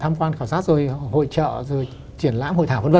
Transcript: tham quan khảo sát rồi hội trợ rồi triển lãm hội thảo v v